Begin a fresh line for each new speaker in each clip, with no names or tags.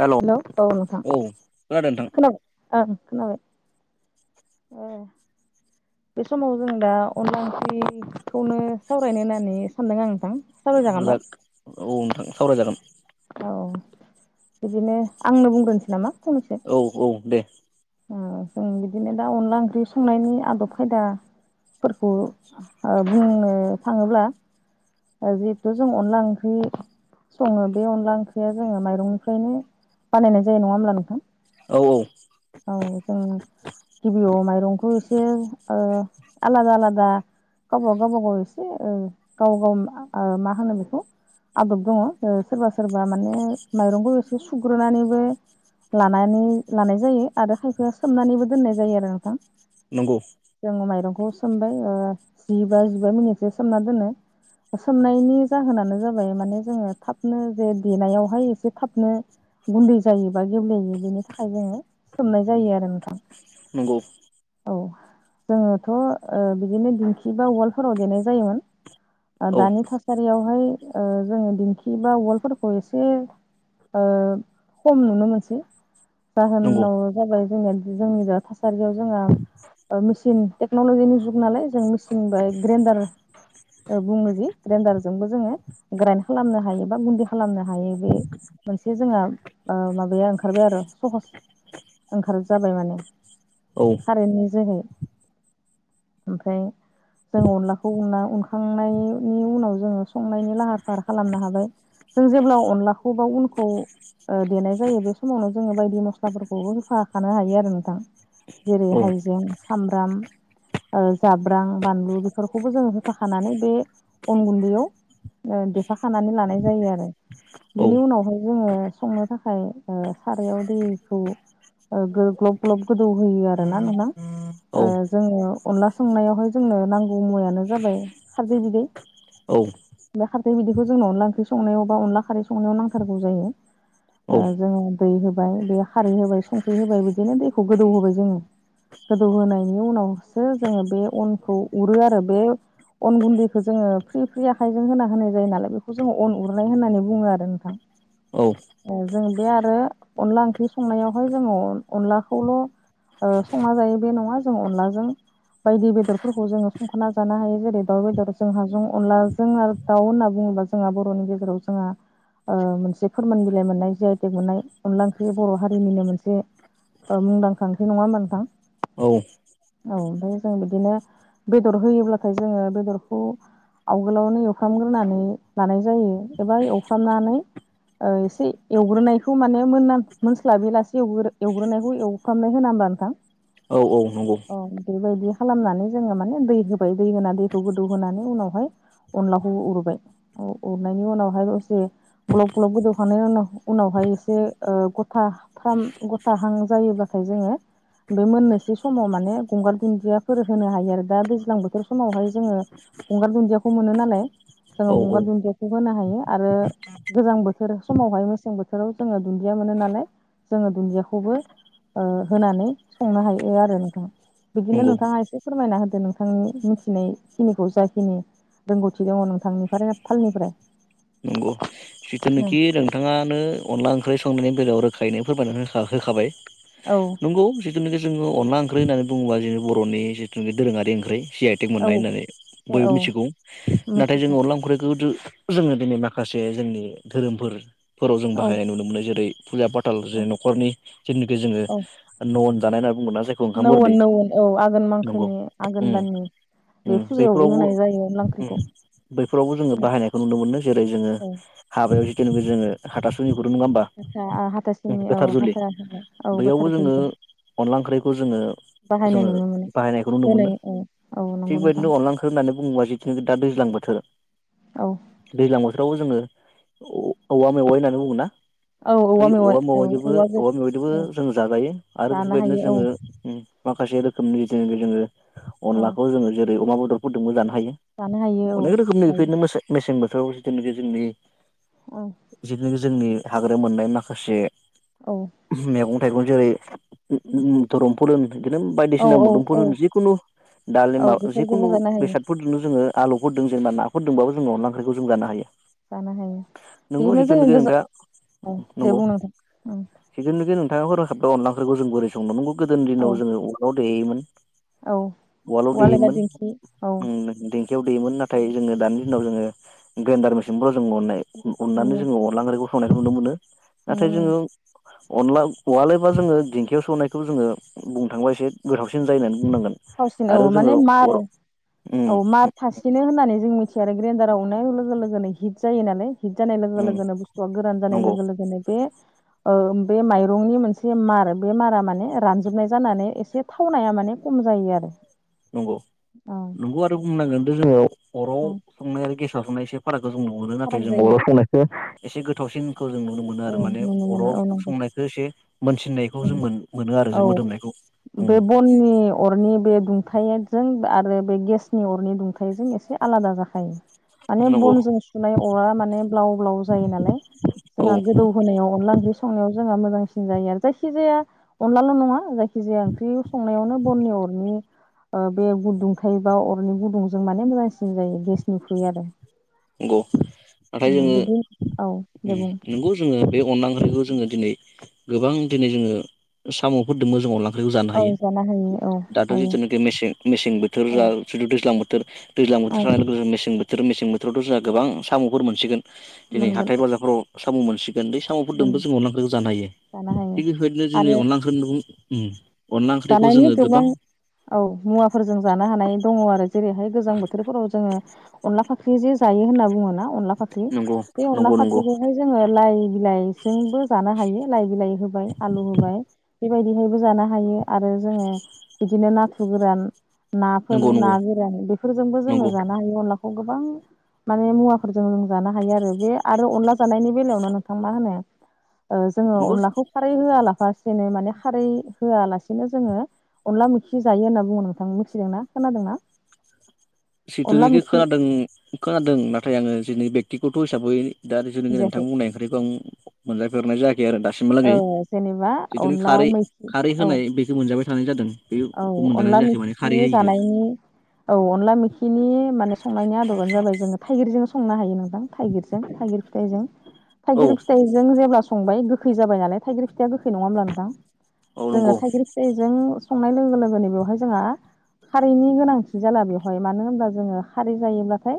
हेल' औ खादों नोंथां?
लै ओं खोनाबाय। ओ बे समाव जों दा अनला ओंखखौनो सावरायनो होननानै सानदों आं नोंथां।
ओ
सावरायजागोन दा
लाग औ नोंथां सावरायजागोन।
औ बिदिनो आंनो बुंग्रोनोसै नामा फंनैसो।
औ औ दे।
ओ जों बिदिनो दा अनला ओंख्रि संनायनि आदब खायदा फोरखौ ओ बुंनो थाङोब्ला। ओ जिहेथु जों अनला ओंख्रि सङो बे अनला ओंख्रिया जोङो माइरंनिफ्रायनो बानायनाय जायो नङा होमब्ला नोंथां।
औ औ।
औ जों गिबियाव माइरंखौ एसे आल आलादा आलादा। गावबाव गावब गाव एसे ओ गाव गाव ओ मा होनो बेखौ आदब दङ ओ सोरबा सोरबा माने माइरंखौ एसे सुग्रोनानैबो। लानानै लानाय जायो आरो खायफाया सोमनानैबो दोननाय जायो आरो नोंथां।
नंगौ
जों माइरंखौ सोमबाय ओ जिबा जिबा मिनिटसो सोमना दोनो। सोमनायनि जाहोनानो जाबाय माने जोङो थाबनो जे देनायावहाय एसे थाबनो गुन्दै जायोबा गेब्लेयो बेनि थाखाय जोङो सोमनाय जायो आरो नोंथां।
नोंगौ।
औ जोङोथ' ओ बिदिनो दिंखि बा उवालफोराव देनाय जायोमोन ओ
औ
दानि थास सारियावहाय ओ जोङो दिंखि बा उवालफोरखौ एसे खम नुनो मोनसै
नंगौ
जाहोनाव जाबाय जोंनिया जोंनि बे थासारियाव जोंहा ओ मिस सिन टेक्नलजिनि जुग नालाय जों मिचन ग्रेडार बुङो जि ग्रेनडारजोंबो जोङो ग्राइ खालामनो हायो बा गुन्दि खालामनो हायो बे मोनसे जोंहा ओ माबाया ओंखारबाय आरो सहस ओंखार जाबाय माने
औ
कारेन्टनि जोहै ओमफ्राय जोङो अनलाखौ उना उनखांनायनि उनाव जोङो संनायनि लाहार फाहार खालामनो हाबाय जों जेब्ला अनलाखौ बा उनखौ देनाय जायो बे समावनो जोङो बायदि मस्लाफोरखौ होफाखानो हायो आरो नोंथां जेरै
औ
हाइजें सामब्राम जाब्रां बानलु बेफोरखौबो जोंङो होफोखानानै बे अन गुन्दैयाव देफाखानानै लानाय जायो आरो
औ
बिनि उनावहाय जोङो संनो थाखाय सारायाव दैखौ ओ गो ग्लब ग्लब गोदौहोयो आरो ना नोंथां
औ
ओ जोङो अनला संनायावहाय जोंनो नांगौ मुवायानो जाबाय खारदै बिदै
औ
बे खारखै बिदैखौ जोंनो अनला ओंख्रि संनायाव बा अनला खारै संनायाव नांथागौ जायो ओ जोङो दै होबाय बे खारै होबाय संख्रि होबाय बिदिनो दैखौ गोदौ होबाय जोङो गोदौहोनायनि उनावसो जोङो बे अनखौ उरो आरो बे अन गुन्दैखौ जोङो फ्रि फ्रि आखाइजों होना होनाय जायो नालाय बेखौ जोङो अन उरनाय होननानै बुङो आरो नोंथां ओ जों बे आरो अनला ओंख्रि संनायावहाय जोङो अनलाखौल' संना जायो बे नङा जों अनलाजों बायदि बेदरफोरखौ जोङो संखाना जानो हायो जेरै दाउ बेदर जों हाजों अनलाजों आरो दाउ होनना बुङोबा जोंहा बर'नि गेजेराव जोंहा मोनसे फोरमान बिलाइ मोननाय जायो दिहुन्नाय मोननाय अनला ओंख्रि बर' हारिनिनो मोनसे मुंदांखा ओख्रि नङा होमबा नोंथां
औ
औ ओमफ्राय जों बिदिनो बेदर होयोब्लाथाय जोङो बेदरखौ आवगोलावनो एवफ्रामग्रोनानै लानाय जायो एबा एवफ्रामनानै ओ एसे एवग्रोनायखौ माने मोनां मोनथिला बेलासेवग्रो एवग्रोनायखौ एवफ्रामनाय होना होमबा नोंथां
औ नंगौ
औ बेबायदि खालामनानै जोङो माने दै होबाय दै होना दैखौ गोदौ होनानै उनावहाय अनलाखौबो उरबाय अ अरनायनि उनावहाय दसे ग्लब ग्लब गोदौखांनायनि उनाव उनावहाय एसे ओ गथा फाम गथाहां जायोबाथाय जोङो बे मोननोसै समाव माने गंगार दुन्जिफोर होनो हायो आरो दा दैज्लां बोथोर समावहाय जोङो गंगार दुन्जियाखौ मोनो नालाय
औ
जोङो
औ
गंगार दुन्जियाखौ होनो हायो आरो गोजां बोथोर समावहाय मेसें बोथोराव जोङो दुन्दिया मोनो नालाय जोङो दुन्जियाखौबो ओ होनानै संनो हायो आरो नोंथां बिदिनो
नंगौ
नोंथाङा एसे फोरमायना होदो नोंथांनि मिथिनायखिनिखौ जाखिनि रोंगौथि दङ नोंथांनिफ्राय ने फालनिफ्राय
नंगौ जिथुनोखि नोंथाङानो अनला ओंख्रि संनायनि बेलायाव रोखायैनो फोरमायनानै हो होखाबाय
औ
नंगौ जिथुनाखि जोङो अनला ओंख्रि होननानै बुङोब्ला जोंनि बर'नि जिथुनाखि दोरोङारि ओंख्रि सि आइ टेक मोननाय
औ
होननानै
ए
बयबो
औ
मिथिगौ नाथाय
मिथिगौ
जोंङो अनला ओंख्रिखौ जोङो दिनै माखासे जोंनि धोरोमफोर फोराव जों
औ
बाहायनाय नुनो मोनो जेरै फुजा पाथाल
औ
ज न'खरनि जेनोखि जोङो न'आव जानाय होनना बुंङो ना। जाय
नौ नौ औ आघोन मांखोनि आघोन
उम
दाननि बे फुजायावबो
बैफोरावबो
होनाय जायो अनला ओंख्रिखौ
बैफोरावबो जोङो बाहायनायखौ नुनो मोनो। जेरै जोङो
औ
हाबायाव जेथुनु जोङो हाथासुनिफोर' नङा होमबा।
हाथ हाथासिनि औ
गोथार जुलि
हाथ औ
बैयावबो
गोथार
जोङो
जुलि
अनला ओंख्रिखौ जोङो
बाहायनाय
जोङो
नुनो मोनो
बाहायनायखौ नुनो
होनाय
मोनो।
औ औ नंगौ
थिग
नोंथां
बेबायदिनो अनला ओंख्रि बोथोर होननानै बुङोब्ला जिथुनिखि दा दैज्लां बोथोर
औ
दैज्लां बोथोरावबो जोङो औ औवा मेवाइ होननानै बुङो ना
औ
बै
मेवाइ
औवा
औ
मेवाइजोंबो औवा मेवाइजोंबो
औ
जों जाजायो आरो।
जानो
बेफोरबायदिनो
हायो
जोङो
औ
उम माखासे रोखोमनि जे जोङो
औ
अनलाखौ जोङो जेरै अमा बेदरफोरजोंबो जानो हायो।
जानो हायो औ
अनेक रोखोमनि
हायो
बेफोरबादिनो मेसे मेसें बोथोराव जोंनि
उम।
जेखुनुखि जोंनि थाग्रायाव मोननाय माखासे
औ।
मेगं थाइगं जेरै- [unintelligible] फोर होन बिदिनो
औ
बायदिसिना
औ औ
मुदोमफोर जिखुनु
औ
दालिमा
बेफोरजोंबो
जिखुनु
जानो हायो
बेसाद फोरजोंनो जोङो आलुफोर दों जेनेबा नाफोर दोंबाबो जोङो अनला ओंख्रिखौ जों जानो हायो।
जानो हायो‌
नोंगौ
बिदिनो जोङो
जिथुनाखि नोंथाङा
गोजान औ दे बुंनांथां
बिदिनोजे नोंथाङा [unintelligible] अनला ओंख्रिखौ जों बोरै संनो नंगौ। गोदोनि दिनाव
औ
जोङो उवालाव देयोमोन।
औ
उवालाव
उवाल एबा
देयोमोन
दिंखि औ
उम देंखोयाव देयोमोन। नाथाय जोङो दानि दिनाव जोङो ग्रन्डार मेसिनफ्राव जों उननाय उननानै
नुनो
जोङो अनला ओंरिखौ संनायखौ नुनो मोनो।
नुनो
नाथाय
मोनो
जोङो अनला उवाल एबा जोङो दिंखियाव सौनायखौ जोङो बुंनो थांबा एसे गोथावसिन जायो होननानै बुंनांगोन।
थावसिन औ
आरो
माने
जोङो
मार
अर उम
औ मार थासिनो होननानै जों मिथि केयार ग्रेडाराव अनाय लोगो लोगोनो हिट जायो नालाय। हिट जानाय लोगो
उम
लोगोनो बुस्थुआ गोरान जानाय
नंगौ
लोगो लोगोनो बे बे माइरंनि मोनसे मार बे मारा माने रानजोबनाय जानानै एसे थावनाया माने खम जायो आरो।
नंगौ
औ
नंगौ आरो बुंनांगोन दे जों अराव
औ
संनाय आरो गेसाव संनाय एसे फाराखौ जों। नुहरो नाथाय
फाराग
जों
जायो
अराव संनायखौ एसे गोथावसिन खौ जों नुनो मोनो।
औ
आरो माने
नुनो मोनो
अराव
औ नंगौ
संनायखौ एसे मोनसिननायखौ जों
उम
मोन मोनो आरो।
औ
जे मोदोमनायखौ
बे बननि अरनि बे दुंथायजों आरो बे गेसनि अरनि दुंथायाइजों एसे आलादा जाखायो। माने
नंगौ
बनजों सुनाय अरा माने ब्लाव ब्लाव जायो नालाय।
औ
जोंहा गोदौ होनायाव अनला ओंख्रि संनायाव जोंहा मोजांसिन जायो आरो। जायखि जाया अनलाल' नङा जायखि खिजाया ओंख्रि संनायावनो बननि अरनि बे गुदुं थबा अरनि गुदुंजों माने मोजांसिन जायो गेसनिख्रुइ आरो।
नंगौ नाथाय
उम
जोङो
बिदि औ दे
उम
बुं
नंगौ। जोङो बे अनला ओख्रिखौ जोङो दिनै गोबां दिनै जोङो साम'फोरदोंबो जोङो अनला ओंख्रिखौ जानो
औ
हायो।
हायो औ
दाथ'
हायो
जिथुनुखि मेसें मेसें बोथोर
औ
जा जिथु दैज्लां बोथोर दैज्लां बोथोर
औ
थानायानाय लोगो जो मेसें बोथोर मेसें बोथोरावथ' जोंहा गोबां साम'फोर मोनसिगोन। दिनै
मोनगोन
हाथाय बाजारफोराव साम' मोनसिगोन। साम'फोरदोंबो
मोनगोन
जों अनदलाओख्रिखौ जानो हायो।
जानो हायो
थिग बेबायदिनो
आरो
जोङो अनला ओंख
जानायनि गोबां औ मुवाफोरजों जानो हानाय दङ आरो। जेरैहाय गोजां बोथोरफोराव जोङो अनला फाख्रि जे जायो होनना बुङो ना अनला फाख्रि
नंगौ
अनला
नंगौ नंगौ
फाख्रिखौहाय जोङो लाइ बिलाइजोंबो जानो हायो। लाइ बिलाइ होबाय आलु होबाय बे बायदिहायबो जानो हायो आरो जोङो बिदिनो नाथुर गोरान नाफोर
नंगौ
ना
नंगौ
गोरान बेफोरजोंबो जोङो
नंगौ
जानो हायो। अनलाखौ गोबां माने मुवा फोरजों जों जानो हायो आरो। बे आरो अनला जानायनि बेलायावनो नोंथां मा होनो ओ जोङो
नंगौ
अनलाखौ खारै होआलाफासेनो माने खारै होआला बिनो जोङो अनला मोखि जायो होनना बुङो नोंथां मिथिदोंना खोनादोंना? अनला
सिथुनिखि
मोखि
खोनादों खोनादों नाथाय आङो जेनि बेक्तिगत' हिसाबै दा जुखि नोंथां
जायाखै
बुंनाय ओंख्रिखौ आं मोनजाफेरनाय जायाखै आरो दासिमहालागै
औ जेनेबा
जिथुनु
अनला
खारै
मैखि
खारै
औ
होनाय बेखौ मोनजाबाय थानाय जादों।
औ
बेखौ मोनजानाय
अनला
जायाखै माने खारै
मिखि
होयिखौ
जानायनि औ अनला मोखिनि माने संनायनि आदबानो जाबाय जोङो थाइगिरजों संनो हायो नोंथां थाइगिरजों थाइगिर फिथाइजों
औ
थाइगिर फिथाइ जों जेब्ला संबाय गोखै जाबाय नालाय थाइगिर फिथाइया गोखै नङा होनब्ला नोंथां
औ नंगौ
जोङो थाइगिर फिथाइ जों संनाय लोगो लोगोनो बेवहाय जोंहा खारैनि गोनांथि जाला बेवहाय मानो होनब्ला जोङो खारै जायोब्लाथाय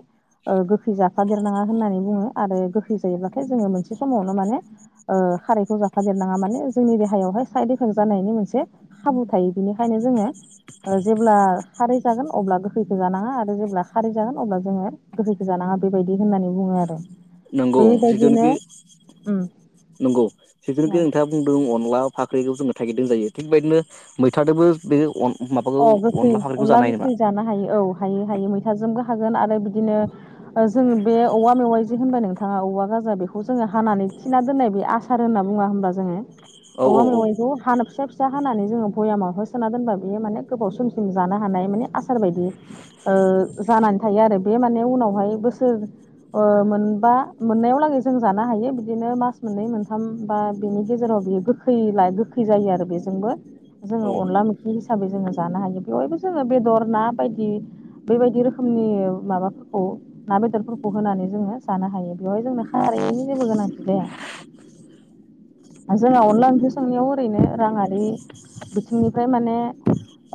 ओ गोखै जाफादेरनाङा होननानै बुङो आरो गोखै जायोब्लाथाय जोङो मोनसे समावनो माने ओ खारायखौ जाफादेरनाङा माने जोंनि देहायावहाय साइद इफेक्ट जानायनि मोनसे खाबु थायो बिनिखायनो जोङो जेब्ला खारै जागोन अब्ला गोखैखो जानाङा आरो जेब्ला खारै जागोन अब्ला जोङो गोखैखोजानाङा बेबायदि होननानै बुङो आरो।
नंगौ
बेबायदिनो
जिथुनोखि
उम
नंगौ
औ
जिथुनोखि नोंथाङा खुदुं अनला फाख्रिखौ जोङो थागिदों जायो थिग बदिनो मैथादोंबो बे अन माबाखौ
अ गोखै
फाख्रिखौ
अनला
जानो हायो नामा
गोखै जानो हायो औ हायो-हायो मैथाजोंबो होन आरो बिदिनो जों बे औवा मैवाय होनबाय नोंथाङा औवागाजा बेखौ जोङो हानानै थिना दोननाय बे आसार होनना बुङा होनबा जोङो
औ औ
औवा
औ
मेवाइखौ ह फिसा फिसा हानानै जोङो भयामाव हो सोना दोनबा बेयो माने गोबाव समसिम जानो हानाय माने आसार बायदि ओ जानानै थायो आरो। बे माने उनावहाय बोसोर अ मोनबा मोननायावलागै जों जानो हायो बिदिनो मास मोननै मोनथाम बा बिनि गेजेराव बियो गो गोखै गोखै जायो आरो बेजोंबो
औ
जोङो अनला मोखि हिसाबै जोङो जानो हायो बेवहायबो जोङो बेदर ना बायदि बेबायदि रोखोमनि माबाफोरखौ ना बेदरफोरखौ होनानै जोङो जानो हायो बेवहाय जोंनो खारैैनि जेबो गोनांथि जाया। जोंहा अनला ओंख्रि संनायाव ओरैनो राङारि बिथिंनिफ्राय माने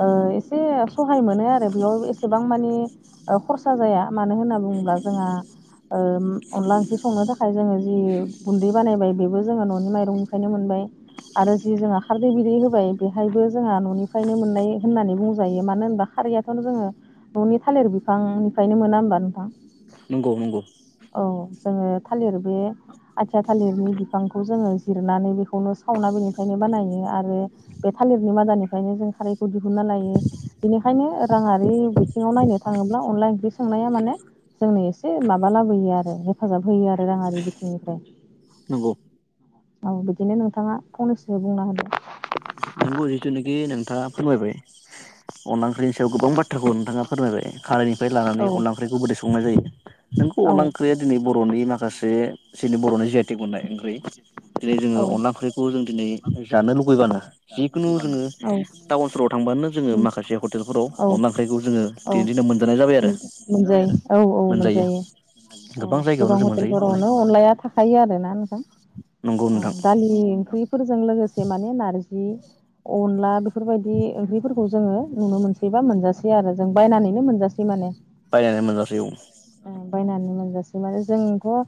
ओ एसे सहाय मोनो आरो बेयाव एसेबां माने खरसा जाया मानो होनना बुङोब्ला जोंहा ओम अनला ओंख्रि संनो थाखाय जोङो जि गुन्दै बानायबाय बेबो जोङो न'नि माइरंनिफ्रायनो मोनबाय। आरो जि जोङो खारदै बिदै होबाय बेहायबो जोंहा न'निफ्रायनो मोननाय होननानै बुंजायो मानो होनबा खारैयाथ जोङो ननि थालिर बिफांनिफ्रायनो मोना होमबा नोंथां।
नंगौ नंगौ
औ जोङो थालिर बे आथिया थालिरनि बिफांखौ जोङो जिरनानै बेखौनो सावना बेनिफ्रायनो बानायो आरो बे थालिरनि मादानिफ्रायनो जों खारै खौ दिहुनन्ना लायो बेनिखायनो राङारि बिथिङाव नायनो थाङोब्ला अनला ओंख्रि संनाया माने जोंनो एसे माबा लाबोयो आरो हेफाजाब होयो आरो राङारि बिथिंनिफ्राय।
नंगौ
औ बिदिनो नोंथाङा फंनैसो बुंना होदो।
नोंगौ जिथुनाखि नोंथाङा फोरमायबाय अनला ओंख्रिनि सायाव गोबां बाथ्राखौ नोंथाङा फोरमायबाय खारैनिफ्राय
औ
लानानै अनला ओंख्रिखौ बोरै संनाय जायो। नोंगौ
औ
अनला ओंख्रिया दिनै बरनि माखासे जोंनि बरनि जि आथि गनाय ओंख्रि दिनै जोङो अनला ओंख्रि बे जों दिनै जानो लुुबैबानो जिखुनु जोङो
औ
टाउनफोराव थांबानो जोङो माखासे हटेलफोराव अनला ओख्रिखौ जोङो
औ
दिनै दिनाव मोनजानाय जाबाय आरो
मोनजायो औ औ मोनजायो। औ गोबां
जायगायावनो जों मोनजायो
हटेलफोरावनो अनलाया थाखायो आरो ना नोंथां।
नंगौ
औ
नोंथां
दालि ओंख्रिफोरजों लोगोसे माने नार्जि अनला बेफोरबायदि ओंख्रिफोरखौ जोङो नुनो मोनसैबा मोनजासै आरो जों बायनानैनो मोनजा सै माने।
बायनानै मोनजासै औ।
बायनानै मोनजासै माने जोंथ' ओ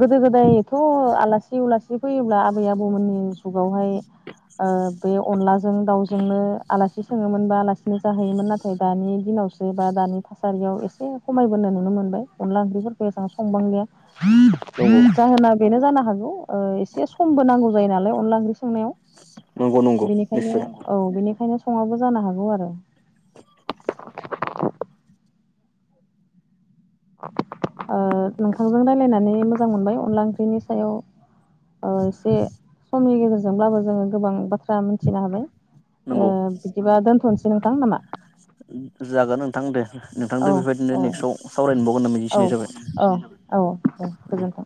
गोदो गोदायथ' आलासि उला सिक्षफैयो आब आबौमोननि जुगावहाय ओ बै अनला जों दाउजोंनो आलासि सोङोमोन बा आलासिनो जाहैयोमोन नाथाय दानि दिनाव स्रि बा दानि थासारियाव एसे खमायबोनो नुनो मोनबाय अनला ओंख्रिफोरखौ एसां संबांलिया।
नंगौ
जाहोना बेनो जानो हागौ ओ एसे समबो नांगौ जायो नालाय अनला ओंख्रि संनायाव।
[inaudible]
बेनिखायनो
निस्सय
औ बेनिखायनो सङाबो जानो हागौ आरो। औ नोंथांजों रायलायनानै मोजां मोनबाय अनला ओंख्रिनि सायाव ओ एसे समनि गेजेरजोंब्लाबो जोङो गोबां बा थ्रा मिन्थिनो हाबाय।
नंगौ
ओ बिदिबा दोन्थनोसै नोंथां ना मा?
जागोन नोंथां दे
औ
नोंथांजों बेबायदिनो
औ
नेक्स्टआव सावरायनोबावगोन होनाम
औ
मिजिंथिनाय जाबाय।
औ दे गोजोन्थों।